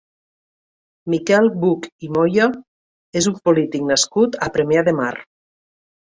Miquel Buch i Moya és un polític nascut a Premià de Mar.